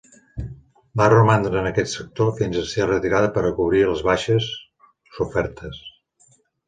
Va romandre en aquest sector fins a ser retirada per a cobrir les baixes sofertes.